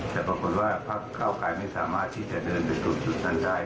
แต่บางคนว่าภักดิ์เข้าไกรไม่สามารถที่จะเดินไปถูกจุดทางใด